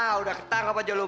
hah udah ketangkap aja lu